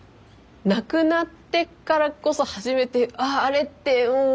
なくなってからこそ初めてあっあれってうん